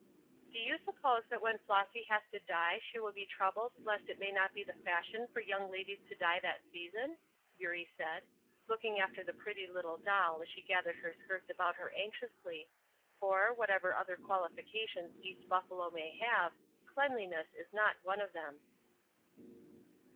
"Do you suppose that when Flossy has to die she will be troubled lest it may not be the fashion for young ladies to die that season?" Eurie said, looking after the pretty little doll as she gathered her skirts about her anxiously; for, whatever other qualifications East Buffalo may have, cleanliness is not one of them.